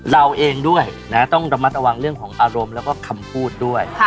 เราเองด้วยนะต้องระมัดระวังเรื่องของอารมณ์แล้วก็คำพูดด้วย